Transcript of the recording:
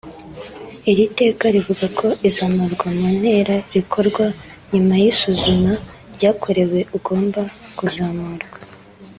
Iri teka rivuga ko izamurwa mu ntera rikorwa nyuma y’isuzuma ryakorewe ugomba kuzamurwa